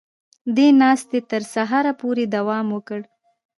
دې ناستې تر سهاره پورې دوام وکړ